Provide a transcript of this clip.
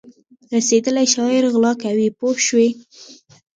رسېدلی شاعر غلا کوي پوه شوې!.